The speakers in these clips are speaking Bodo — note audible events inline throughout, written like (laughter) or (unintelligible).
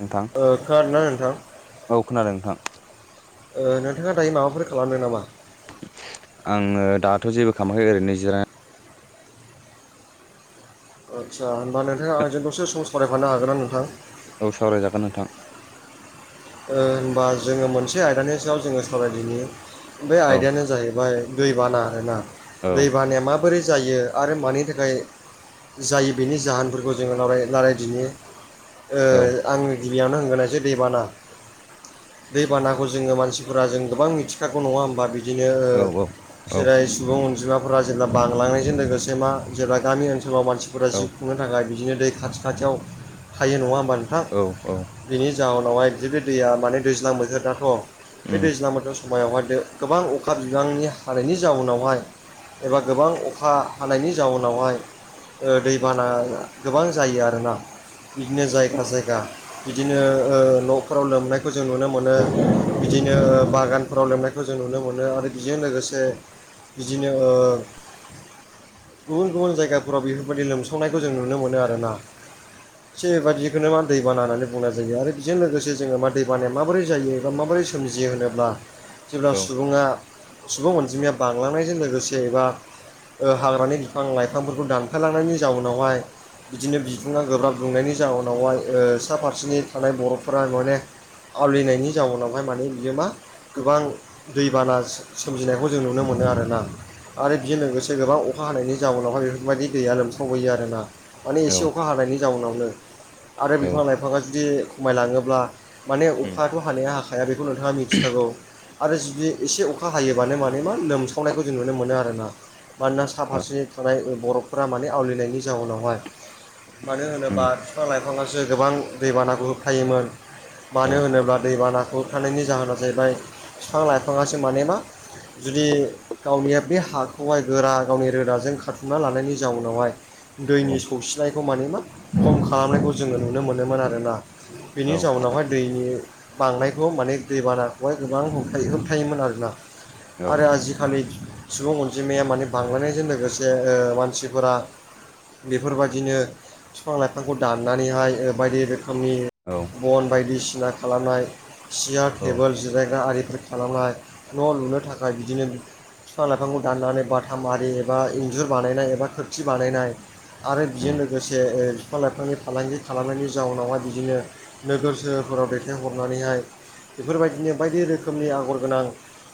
नोंथां ओ खोनादोंना नोंथां? औ खोनादों नोंथां। नोंथाङा दायो माबाफोर खालामदों नामा? आङो दाथ जेबो खालामाखै ओरैनो जिरायना आदसा होमबा नोंथाङा आंजों दसे सम सावरायफानो हागोन ना नोंथां? औ सावरायजागोन नोंथां। होनबा जोङो मोनसे आयदानि सायाव जोङो सावरायदिनि बे औ आयदायानो जाहैबाय दैबाना आरोना औ दैबानाया माबोरै जायो? आरो मानि थाखाय जायो बेनि जाहोनफोरखौ जोङो रायलायदिनो। ओ औ आङो गिबियावनो होनग्रोनोसै दैबाना दैबानाखौ जोङो मानसिफोरा जों गोबां मिथिखागौ नङा होमबा बिदिनो औ जेरै सुबुं अनजिमा फोरा जेब्ला बांलांनायजों लोगोसे मा जेब्ला गामि ओनसोलाव मानसिफोरा औ जिउ खुंनो थाखाय बिदिनो दै खाथि खाथियाव थायो नङा होमबा नोंथां औ औ बेनि जाहोनावहाय बिदिनो दैया माने दैज्लां बोथोरनाथ' बे उम दैज्लां बोथोराव समायावहाय गोबां अखा बिबांनि हानायनि जाउनावहाय एबा गोबां अखा हानायनि जाउनावहाय ओ दैबाना गोबां जायो आरोना। बिदिनो जायगा जायगा बिदिनो ओ न' फोराव लोमनायखौ जों नुनो मोनो बिदिनो बागानफोराव लोमनायखौ जों नुनो मोनो आरो बेजों लोगोसे बिदिनो ओ गुबुन गुबुन जायगाफोराव बेफोरबायदि लोमसावनायखौ जों नुनो मोनो आरोना। बे बायदिखौनो मा दैबाना होननानै बुंनाय जायो आरो बेजों लोगोसे जोङो मा दैबानाया माबोरै जायो एबा माबोरै सोमजियो होनोब्ला जेब्ला औ सुबुङा सुबुं अनजिमाया बांलांनायजों लोगोसे एबा ओ हाग्रानि बिफां लाइफांफोरखौ दानफायलांनायनि जाउनावहाय बिदिनो बिदुङा गोब्राब दुंनायनि जााहोनावहाय ओ सा फारसेनि थानाय बरफफोरा माने आवलिनायनि जाउनावहाय माने बियो मा गोबां दैबाना सोमजिनायखौ जों नुनो मोनो आरोना। आरो बेजों लोगोसे गोबां अखा हानायनि जाउनावहाय बेफोरबायदि दैैया लोमसावहैयो आरोना। माने एसे औ अखा हानायनि जाउनावनो आरो औ बिफां लाइफाङा जुदि खमायलाङोब्ला माने उम अखायाथ' हानाया हाखाया बेखौ नोंथाङा मिथिखागौ। आरो जुदि एसे अखा हायोबानो माने मा लोमसावनायखौ जों नुनो मोनो आरोना। मानोना सा औ फारसे थानाय बरफफोरा माने आवलिनायनि जाउनावहाय मानो उम होनोबा बिफां लाइफाङासो गोबां दैबानाखौ होबथायोमोन। औ मानो होनोब्ला दैबाना होबथानायनि जाहोना जाहैबाय फिफां लाइफाङासो माने मा जुदि गावनिया बे हाखौहाय गोरा गावनि रोदाजों खाथुमना लानायनि जाउनावहाय दैनि सौसिनायखौ मानि मा खम खालामनायखौ जोङो नुनो मोनोमोन आरोना। बेनि औ जाउनावहाय दैनि बांनायखौ माने दैबानाखौहाय गोबां होबथायो होबथायोमोन आरोना। आरो आजिखालि सुबुं अनजिमाया मानि बांलायनायजों लोगोसे ओ मानसिफोरा बेफोरबायदिनो फिफां लाइफांखौ दाननानैहाय बायदि रोखोमनि औ बन बायदिसिना खालामनाय सियार टेबोल जिरायग्रा आरिफोर खालामनाय न' लुनो उम थाखाय बिदिनो फिफां लाइफांखौ दाननानै बाथाम आरि एबा इन्जुर बानायनाय एबा खोरखि बानायनाय आरो बिजों उम लोगोसे फिफां लाइफांनि फालांगि खालामनायनि जाउनावहाय बिदिनो नोगोर सोहोरफोराव दैथायहरनानैहाय बेफोरबायदिनो बायदि रोखोमनि आगर गोनां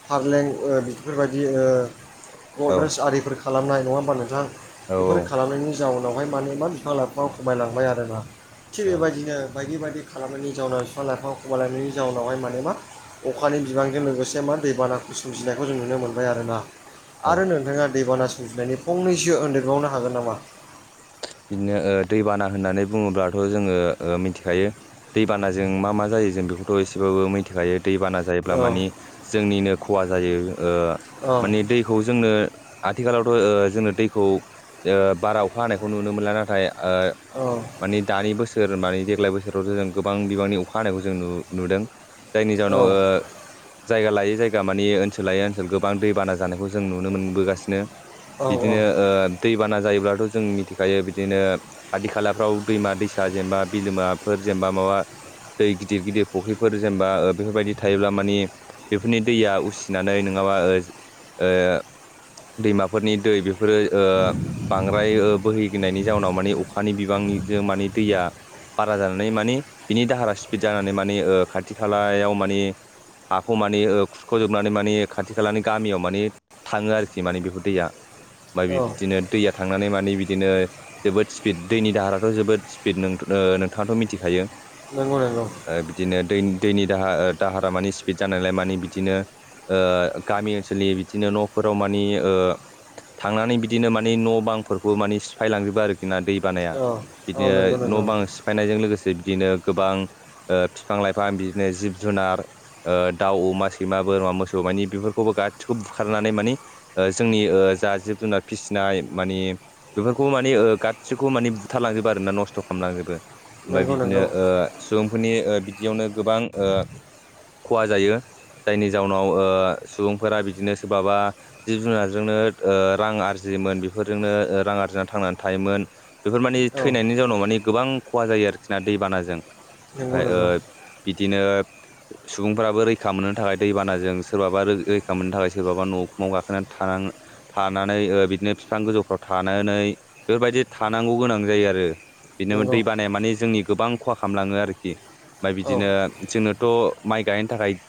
फारलें ओ बेफोरबायदि ओ औ गद्रेस औ आरिफोर खालामनाय नङा होनबा नोंथां? बेफोर खालामनायनि जाउनावहाय माने मा बिफां लाइफाङा खमायलांबाय आरो ना थिग औ बेबायदिनो बायदि बायदि खालामनायनि जाउनाव बिफां लाइफां खमायलांनायनि जाउनावहाय माने मा अखानि बिबांजों लोगोसे मा दैबानाखौ सोमजिनायखौ जों नुनो मोनबाय आरोना। औ आरो नोंथाङा दैबाना सोमजिनायनि फंनैसो होनदेरबावनो हागोन नामा? बिदिनो ओ दैबाना होननानै बुङोब्लाथ' जोङो ओ मिथिखायो दैबानाजों मा मा जायो जों बेखौथ' एसेबाबो मिथिखायो दैबानाजों जायोब्ला औ मानि जोंनिनो खहा जायो ओ औ मानि दैखौ जोंनो आथिखालावथ' ओ जोंनो दैखौ ओ बारा अखा हानायखौ नुनो मोनला नाथाय ओ मानि दानि बोसो र माने देग्लाय बोसोरावथ' जों गोबां बिबांनि अखा हानायखौ जों नु-नुदों। जायनि औ जाहोनाव ओ जायगा लायै जायगा मानि ओनसोल लायै ओनसोल गोबां दैबाना जानायखौ जों नुनो मोनबोगासिनो‌। औ औ बिदिनो ओ दैबाना जायोब्लाथ' जों मिथि खायो बिदिनो खाथि खालाफ्राव दैमा दैसा जेनेबा बिलोमाफोर जेनेबा माबा दै गिदिर गिदिर फख्रिफोर जेनेबा बेफोरबायदि थायोब्ला मानि बेफोरनि दैया उसिनानै नोङाबा ओ दैमाफोरनि दै बेफोरो ओ बांद्राय बोहैगोनायनायनि जाउनाव मानि अखानि बिबांनिजों माने दैया बारा जानानै मानि बिनि दाहारा स्पिद जानानै मानि ओ खाथि खालायाव मानि हाखौ मानि खुरख'जोबनानै मानि खाथि खालानि गामियाव मानि थाङो आरोखि माने बेफोर दैया औ ओमफ्राय बिदिनो दैया थांनानै माने बिदिनो जोबोद स्पिद दैनि दाहाराथ' जोबोद स्पिदथ ओ नोंथाङाथ' मिथिखायो नोंगौ नोंगौ। बिदिनो दै दैनि दाहार दाहारा मानि स्पिड जानायलाय मानि बिदिनो गामि ओनसोलनि बिदिनो न'फोराव मानि थांनानै बिदिनो माने न' बांफोरखौ माने सिफायलांजोबो आरो ना दै बानाया औ औ बिदिनो नंगौ नंगौ न' बां सिफायनायजों लोगोसे बिदिनो गोबां फिफां लाइफां बिदिनो जिब जुनार दाउ अमा सैमा बोरमा मोसौ मानि बेफोरखौबो गासिखौबो बुखारनानै मानि जोंनि जा जिब जुनार फिसिनाय मानि बेफोरखौ माने गासिखौ माने बुथारलांजोबो आरोना नस्थ' खालामलांजोबो ओमफ्राय नंगौ बिदिनो नंगौ सुबुंफोरनि बिदियावनो गोबां खहा जायो जायनि जाउनाव सुबुंफोरा बिदिनो सोरबाबा जिब जुनारजोंनो रां आरजियोमोन बेफोरजोंनो रां आरजिना थांनानै थायोमोन बेफोर मानि औ थैनायनि जाउनाव मानि गोबां खहा जायो आरोखि ना दैबानाजों नंगौ ओमफाय नंगौ बिदिनो सुबुंफ्राबो रैखा मोननो थाखाय दैबानाजों सोरबाबा रैखा मोननो थाखाय सोरबाबा न' उखुमाव गाखोनानै थानां थानानै बिदिनो फिफां गोजौफ्राव थानानै बेफोरबायदि थानांगौ गोनां जायो आरो बिदिनो नंगौ दै बानाया माने जोंनि गोबां खहा खालामलाङो आरोखि ओमफाय औ बिदिनो जोंनोथ' माइ गायनो थाखाय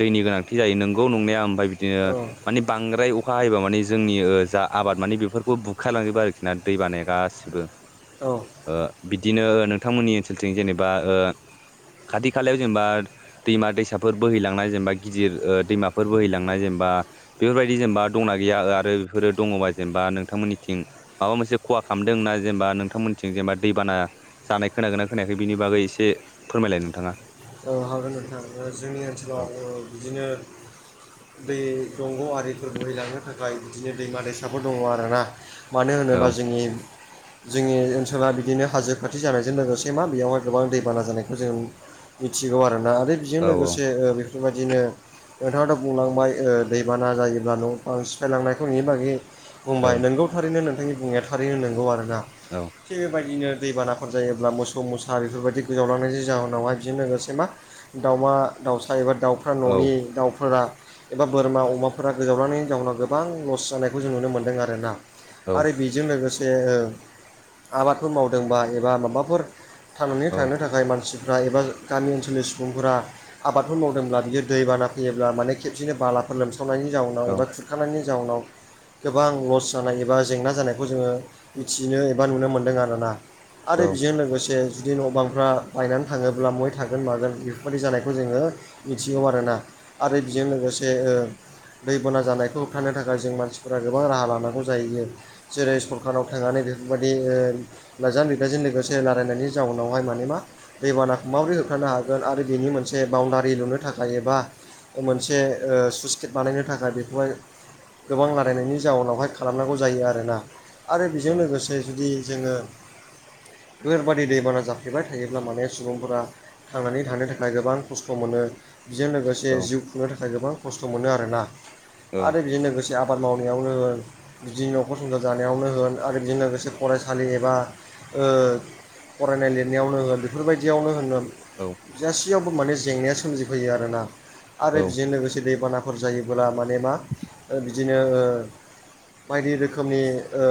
दैनि गोनांथि जायो नोंगौ नंनाया ओमफाय बिदिनो औ माने बांद्राय अखा हायोबा माने जोंनि जा आबाद माने बेफोरखौ बु खारलांजोबो आरोखि ना दै बानाया गासिबो औ बिदिनो नोंथांमोननि ओनसोलथिं जेनेबा खाथि खालायाव जेनेबा दैमा दैसाफोर बोहैलांनाय जेनेबा गिदिर दैमाफोर बोहैलांनाय जेनेबा बेफोरबायदि जेनेबा दंना गैया आरो बेफोरो दङबा जेनेबा नोंथांमोननि थिं माबा मोनसे खहा खालामदोंना जेनेबा नोंथांमोनथिं जेनेबा दैबाना जानाय खोनागोन ना खोनायाखै बिनि बागै एसे फोरमायलाय नोंथाङा हागोन नोंथां जोंनि ओनसोलाव बिदिनो दै दंग' आरिफोर बोहैलांनो थाखाय बिदिनो दैमा दैसाबो दङ आरोना मानो औ होनोबा जोंनि जोंनि ओनसोला बिदिनो हाजो खाथि जानायजों लोगोसे मा बेयावहाय गोबां दैबाना जानायखौ जों मिथिगौ आरोना आरो बेजों औ लोगोसे बेफोरबायदिनो नोंथाङाथ' बुंलांबाय दैबाना जायोब्ला न' बां सिफायलांनायफोरनि बागि बुंबाय नंगौ थारैनो नोंथांनि बुंनाया थारैनो नंगौ आरो ना औ थिग बेबायदिनो दैबाना जायोब्ला मोसौ मुसा बेफोरबायदि गोजावलांनायनि जाहोनावहाय बेजों लोगोसे मा दाउमा दाउसा एबा दाउफोरा न'नि औ दाउफोरा एबा बोरमा अमाफोरा गोजावलांंनायनि जाउनाव गोबां लस जानायखौ जों नुनो मोन्दों आरोना औ आरो बि जों लोगोसे आबादफोर मावदोंबा एबा माबाफोर थांनानै औ थानो थाखाय मानसिफ्रा एबा गामि ओनसोलनि सुबुंफोरा आबादफोर मावदोंब्ला बियो दैबाना फैयोब्ला माने खेबसेनो बाला फोर लोमसावनायनि औ जाउनाव एबा खुरखानायनि जाउनाव गोबां लस जानाय एबा जेंना जानायखौ जोङो मिथिनो एबा नुनो मोनदों आरोना औ आरो बेजों लोगोसे जुदि न' बांफ्रा बायनानै थाङोब्ला मय थागोन मागोन बेफोरबायदि जानायखौ जोङो मिथिगौ आरोना आरो बेजों लोगोसे दैबाना जानायखौ होबथानो थाखाय जों मानसिफोरा गोबां राहा लानांगौ जाहैयो जेरै सरखाराव थांनानै बेफोरबायदि ओ लाइजाम लिरनायजों लोगोसे रालायनायनि जाउनावहाय माने मा दैबानाखौ माबोरै होबथानो हागोन आरो बिनि मोनसे बाउन्डारि लुनो थाखाय एबा मोनसे स्लुइस गेट बानायनो थाखाय बेखौहाय गोबां रायलायनायनि जाउनावहाय खालामनांगौ जायो आरोना आरो औ बेजों लोगोसे जुदि जोङो बेफोरबादि दैबाना जाफ्लेबाय थायोब्ला माने सुबुंफोरा थांनानै थानो थाखाय गोबां खस्थ' मोनो बेजों लोगोसे जिउ खुंनो थाखाय गोबां खस्थ' मोनो आरोना औ आरो बेजों लोगोसे आबाद मावनायावनो होन बिदिनो न'खर संसार जानायावनो होन आरो बिदि लोगोसे फरायसालि एबा ओ फरायनाय लिरनायावनो होनो बेफोरबायदियावनो होन औ गासियावबो माने जेंनाया सोमजिफैयो आरोना आरो औ बेजों लोगोसे दैबाना फोर जायोब्ला माने मा ओ बिदिनो बायदि रोखोमनि ओ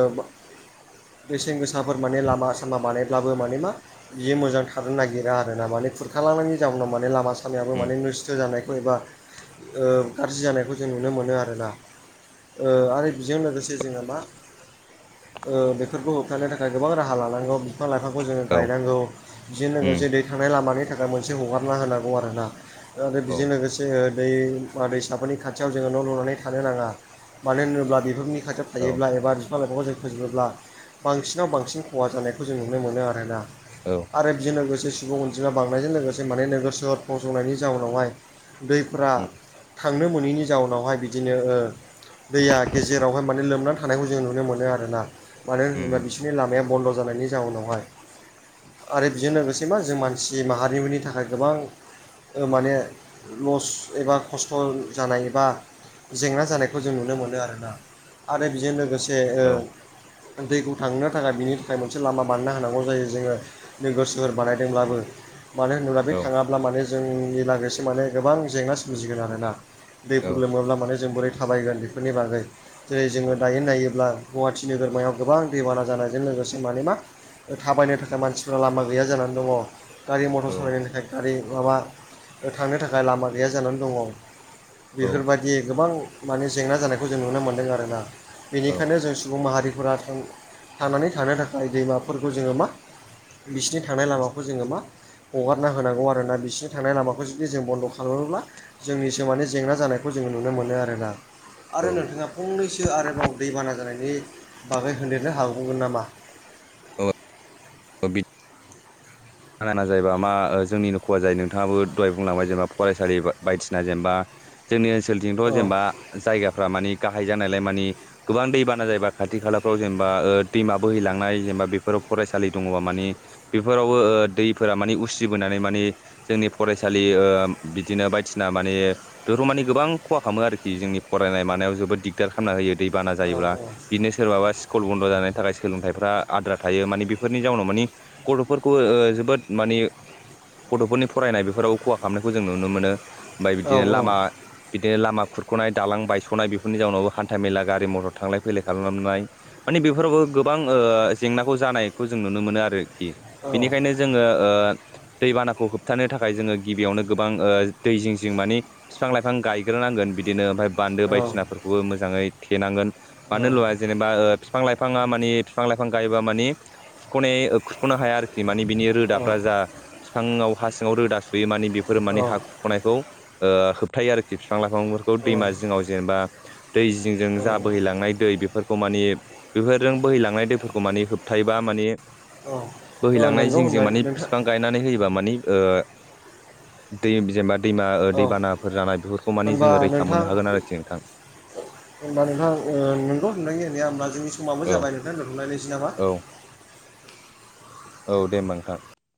बेसेन गोसाफोर माने लामा सामा बानायब्लाबो माने मा बियो मोजां थानो नागिरा आरो ना माने खुरखालांनायनि जाउनाव माने लामा सामायाबो उम माने नस्थ' जानायखौ एबा ओ गाज्रि जानायखौ जों नुनो मोनो आरोना ओ आरो बेजों लोगोसे जोंहा मा ओ बेफोरखौ होबथानो थाखाय गोबां राहा लानांगौ बिफां लाइफांखौ जोङो औ गायनांगौ बेजों लोगोसे उम दै थांनाय लामानि थाखाय मोनसे हगारना होनांगौ आरोना आरो औ बेजों लोगोसे जोङो दैमा दैसाफोरनि खाथियाव जोङो न' लुनानै थानो नाङा मानो होनोब्ला बेफोरनि खाथियाव औ थायोब्ला एबा बिफां लाइफांखौ जों फोजोबोब्ला बांसिनाव बांसिन खहा जानायखौ जों नुनो मोनो आरोना आरो बेजों लोगोसे सुबुं अनजिमा बांनायजों लोगोसे माने नोगोर सोहोर फंसंनायनि जाउनावहाय दैफ्रा उम थांनो मोनैनि जाउनावहाय बिदिनो ओ दैया गेजेरावहाय माने लोमनानै थानायखौ जों नुनो मोनो आरोना मानो होनोबा उम बिसोरनि लामाया बन्द' जानायनि जाउनावहाय आरो बेजों लोगोसे मा जों मान सि माहारिमनि थाखाय गोबां ओ माने लस एबा खस्थ' जानाय एबा जेंना जानायखौ जों नुनो मोनो आरोना आरो बेजों लोगोसे ओ औ दैखौ थांनो थाखाय बिनि थाखाय मोनसे लामा बानायनो होनांगौ जायो जोङो नोगोर सोहोर बानायदोंब्लाबो उम मानो होनोब्ला बे औ थाङाब्ला माने जोंनि लोगोसे माने गोबां जेंना सोमजिगोन आरोना। औ दैफोर लोमोब्ला माने जों बोरै थाबायगोन बेफोरनि बागै जेरै जोङो दायो नायोब्ला गुवाहाटि नोगोरमायाव गोबां दैबाना जानायजों लोगोसे माने मा थाबायनो थाखाय मानसिफ्रा लामा गैया जानानै दङ। गारि मथर सालायनो थाखाय गारि माबा थांनो थाखाय लामा गैया जानानै दङ। बेफोरबायदि गोबां माने जेंना जानायखौ जों नुनो मोन्दों आरोना औ बेनिखायनो जों सुबुं माहारिफोरा थां थांनानै थानो थाखाय दैमाफोरखौ जोङो मा बिसिनि थानाय लामाखौ जोङो मा हगारना होनांगौ आरो ना बिसिनि थांनाय लामाखौ जुदि जों बन्द' खालामोब्ला जोंनिसो माने जेंना जानायखौ जोङो नुनो मोनो आरोना। आरो नोंथाङा फंनैसो आरोबाव दैबाना जानायनि बागै होनदेरनो हाबावगोन नामा औ औ बि (unintelligible) बाना जायोबा मा जोंनिनो खहा जायो नोंथाङाबो दहाय बुंलांबाय जेनेबा फरायसालि बायदिसिना जेनेबा जोंनि ओनसोलजोंथ' औ जेनेबा जायगाफ्रा मानि गाहाय जानायलाय मानि गोबां दैबाना जायोबा खाथि खालाफ्राव जेनेबा ओ दैमा बोहैलांनाय जेनेबा बेफोराव फरायसालि दङबा मानि बेफोरावबो ओ दैफोरा माने उसिबोनानै माने जोंनि फरायसालि ओ बिदिनो बायदिसिना मानि बेफोर माने गोबां खहा खालामो आरोखि जोंनि फरायनाय मानायाव जोबोद दिगदार खालामना होयो। दै बाना औ जायोब्ला बिदिनो सोरबाबा सिक कुल बन्द' जानायनि थाखाय सोलोंथाइफ्रा आद्रा थायो मानि बेफोरनि जाउनाव मानि गथ'फोरखौ ओ जो बोद मानि गथ'फोरनि फरायनाय बेफोराव खहा खालामनायखौ जों नुनो मोनो। ओमफाय औ बिदिनो लामा बिदिनो लामा खुरख'नाय दालां बायस'नाय बेफोरनि जाउनावबो हान्था मेला गारि मथर थांलाय फैलाय खालामनाय माने बेफोरावबो गोबां ओ जेंनाखौ जानायखौ जों नुनो मोनो आरोखि औ बेनिखायनो जोङो दैबानाखौ होबथानो थाखाय जोङो गिबियावनो गोबां दै जिं जिं माने बिफां लाइफां गायग्रोनांगोन बिदिनो ओमफ्राय बान्दो बायदिसिनाफोरखौबो मोजाङै थेनांगोन। मानो होनला जेनेबा बिफां लाइफाङा मानि बिफां लाइफां गायोबा माने खुरख'नाय खुख'नो हाया आरोखि मानि बिनि रोदाफ्रा जा बिफाङाव हा सिङाव रोदा सुयो माने बेफोरो माने हा खुरख'नायखौ होबथायो आरोखि बिफां लाइफांफोरखौ औ दैमा जिङाव जेनेबा दै जिंजों औ जा बोहैलांनाय दै बेफोरखौ मानि बेफोरजों बोहैलांनाय दैफोरखौ माने होबथायोबा माने औ बोहैलांनाय नोंगौ जिं जिं होननानै माने नोंथां बिफां गायनानै होयोबा मानि ओ दै जेनेबा दैमा ओ औ दैबानाफोर जानाया बे खौ माने होनबा जोङो रैखा नोंथां मोननो हागोन आरोखि नोंथां होनबा नोंथा ओ नोंखौ नोंथांनि होननाया होमबा जोंनि समाबो औ जाबाय नोंथां दोनथलायनोसै नामा। औ औ दे होमबा नोंथां।